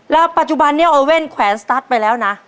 แล้วปัจจุบันนี้โอเว่นแขวนสตั๊ดไปแล้วนะ